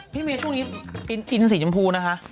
ที่มีช่วงนี้อินอินสีชมพูนะฮะ